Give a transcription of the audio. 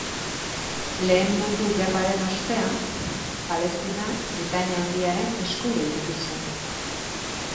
Lehen Mundu Gerraren ostean, Palestina Britainia Handiaren esku gelditu zen.